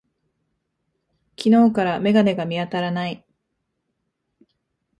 昨日から眼鏡が見当たらない。